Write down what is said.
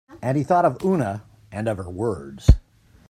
And he thought of Oona, and of her words.